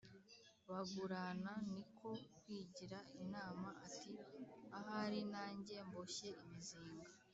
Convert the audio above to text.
bagurana. Ni ko kwigira inama ati: “Ahari nange mboshye imizinga